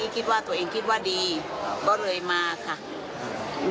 ที่ตัวเองคิดว่าดีก็เลยมาครับ